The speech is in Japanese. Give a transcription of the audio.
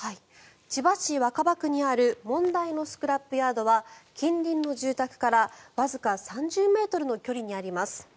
千葉市若葉区にある問題のスクラップヤードは近隣の住宅からわずか３０ｍの距離にあります。